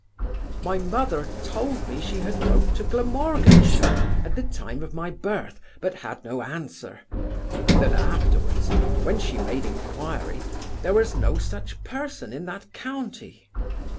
'My mother told me she had wrote to Glamorganshire, at the time of my birth, but had no answer; and that afterwards, when she made enquiry, there was no such person in that county.